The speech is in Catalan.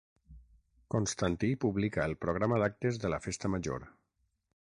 Constantí publica el programa d'actes de la Festa Major.